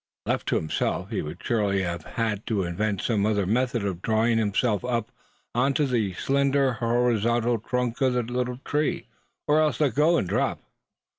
Left to himself he would surely have had to invent some other method for drawing himself up on to the slender horizontal trunk of the little tree; or else let go, and drop.